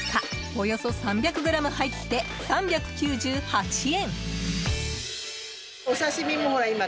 およそ３００ｇ入って、３９８円。